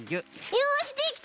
よしできた！